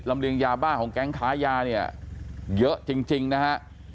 เรียงยาบ้าของแก๊งค้ายาเนี่ยเยอะจริงนะฮะ